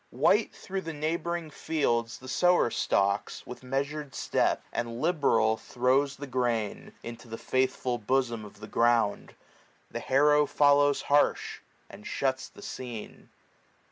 White thro' the neighboring fields the sower stalks, With measured step ; and liberal throws the grain 45 Into the faithful bosom of the ground : The harrow follows harsh, and shuts the scene.